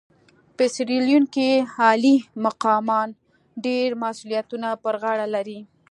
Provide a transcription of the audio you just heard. په سیریلیون کې عالي مقامان ډېر مسوولیتونه پر غاړه لري.